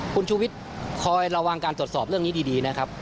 คุณชูวิทย์คอยระวังการตรวจสอบเรื่องนี้ดีนะครับ